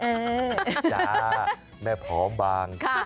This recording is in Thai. ไอจ๊าแม่พร้อมบ้าง